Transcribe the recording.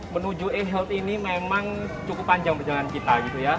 menuju e health ini memang cukup panjang perjalanan kita